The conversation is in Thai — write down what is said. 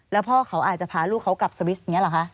แล้วพ่อเขาอาจจะพาลูกเขากลับสวิสอย่างนี้หรอคะ